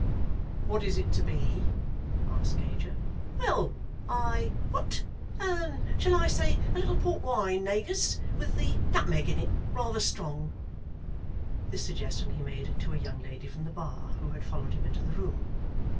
"What is it to be?" asked Gager. "Well; ay, what? Shall I say a little port wine negus, with the nutmeg in it rayther strong?" This suggestion he made to a young lady from the bar, who had followed him into the room.